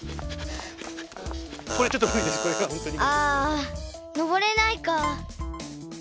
あのぼれないか。